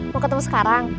mau ketemu sekarang